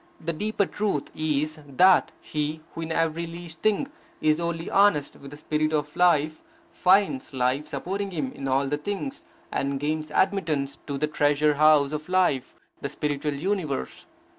The deeper truth is, that he who in every least thing is wholly honest with the spirit of Life, finds Life supporting him in all things, and gains admittance to the treasure house of Life, the spiritual universe.